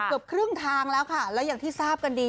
เกือบครึ่งทางแล้วค่ะแล้วอย่างที่ทราบกันดี